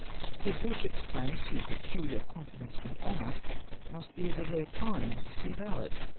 His Lordship's claims to peculiar confidence and honour must be of a rare kind to be valid.